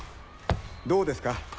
どうですか？